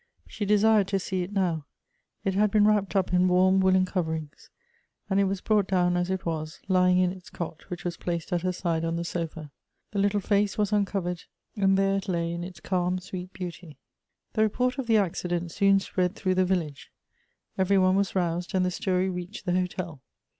She desired to see it now. It had been wrapped up in warm woollen coverings. And it was brought down as it was, lying in its cot which was placed at her side on the sofa. The little face was uncovered ; and there it lay in its calm sweet beauty. The report of the accident soon spread through the village ; every one was roused, and the story reached the hotel.